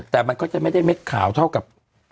แต่มันก็จะไม่ได้เม็ดขาวเท่ากับ